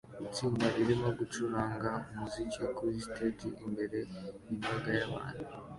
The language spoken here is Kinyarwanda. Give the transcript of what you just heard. Itsinda ririmo gucuranga umuziki kuri stage imbere yimbaga yabantu